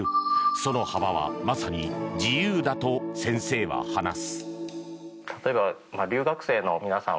その幅はまさに自由だと先生は話す。